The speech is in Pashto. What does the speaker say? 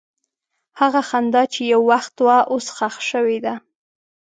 هغه خندا چې یو وخت وه، اوس ښخ شوې ده.